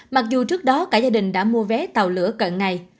mặc dù trước đó cả gia đình đã mua vé tàu lửa cận ngày